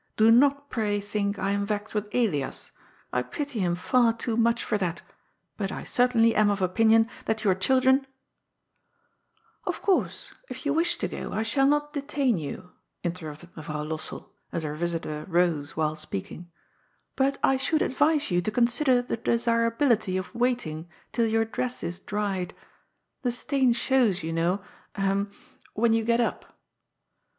Do not, pray, think I am vexed with Elias; I pity him far too much for that, but I certainly am of opinion that your children " COUSIN COCOA. 67 Of course, if yon wish to go, I shall not detain you," intemipted Mevronw Lossell, as her yisitor rose while speak ing, ^' but I should advise yon to consider the desirability of waiting till yonr dress is dried. The stain shows, you know — ahem — ^when you get up."